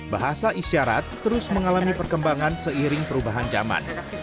bahasa isyarat terus mengalami perkembangan seiring perubahan zaman